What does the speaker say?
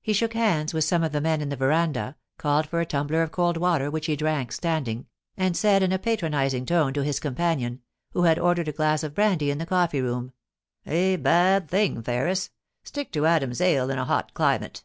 He shook hands with some of the men in the verandah, called for a tumbler of cold water which he drank standing, and said in a patronising tone to his companion, who had ordered a glass of brandy in the coffee room : *A bad thing, Ferris. Stick to Adam's ale in a hot climate.